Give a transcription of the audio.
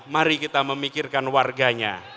mari kita memikirkan warganya